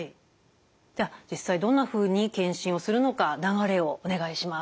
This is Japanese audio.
じゃあ実際どんなふうに検診をするのか流れをお願いします。